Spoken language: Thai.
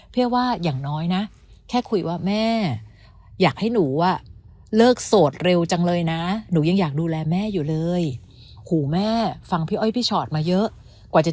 เพราะว่าอย่างน้อยนะแค่คุยว่า